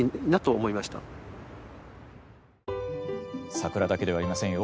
桜だけではありませんよ。